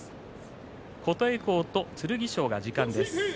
琴恵光と剣翔戦、時間です。